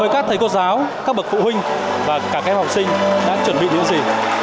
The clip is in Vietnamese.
với các thầy cô giáo các bậc phụ huynh và các em học sinh đã chuẩn bị điều gì